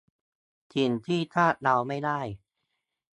สิ่งที่คาดเดาไม่ได้